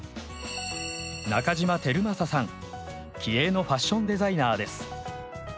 気鋭のファッションデザイナーです。